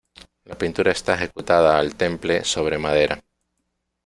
La pintura está ejecutada al temple sobre madera.